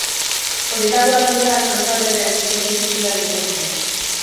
Horietako batzuetan, antza denez, prostituzioa egiten zen.